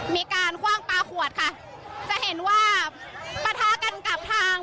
มีการคว่างปลาขวดค่ะจะเห็นว่าปะทะกันกับทาง